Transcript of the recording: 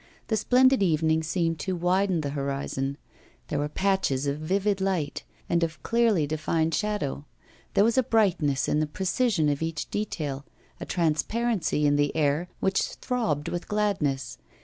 The splendid evening seemed to widen the horizon. There were patches of vivid light, and of clearly defined shadow; there was a brightness in the precision of each detail, a transparency in the air, which throbbed with gladness.